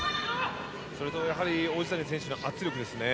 それと、やはり王子谷選手の圧力ですね。